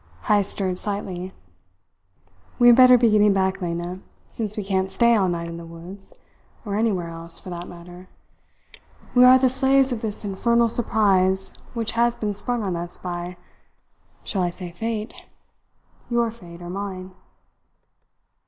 Heyst stirred slightly. "We had better be getting back, Lena, since we can't stay all night in the woods or anywhere else, for that matter. We are the slaves of this infernal surprise which has been sprung on us by shall I say fate? your fate, or mine."